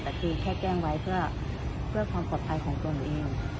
แต่คือแค่แจ้งไว้เพื่อความปลอดภัยของตัวหนูเอง